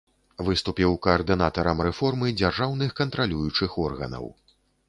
Выступіў каардынатарам рэформы дзяржаўных кантралюючых органаў.